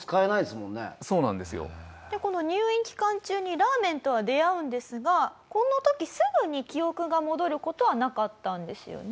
この入院期間中にラーメンとは出会うんですがこの時すぐに記憶が戻る事はなかったんですよね？